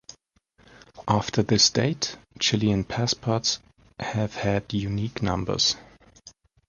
After this date, Chilean passports have had unique numbers.